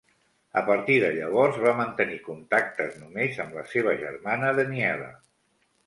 A partir de llavors va mantenir contactes només amb la seva germana Daniela.